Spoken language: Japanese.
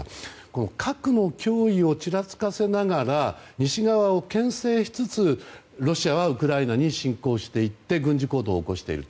この核の脅威をちらつかせながら西側を牽制しつつロシアはウクライナに侵攻していって軍事行動を起こしている。